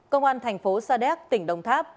công an thành phố sa đéc tỉnh đồng tháp